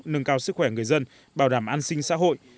nâng cao sức khỏe người dân bảo đảm an sinh xã hội